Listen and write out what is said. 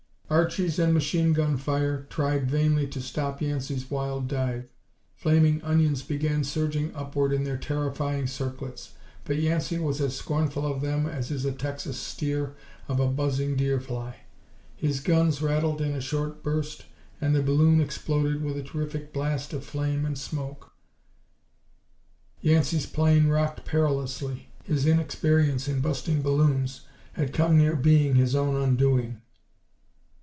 Archies and machine gun fire tried vainly to stop Yancey's wild dive. Flaming onions began surging upward in their terrifying circlets, but Yancey was as scornful of them as is a Texas steer of a buzzing deer fly. His guns rattled in a short burst and the balloon exploded with a terrific blast of flame and smoke. Yancey's plane rocked perilously. His inexperience in "busting balloons" had come near being his own undoing.